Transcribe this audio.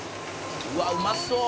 「うわっうまそう！」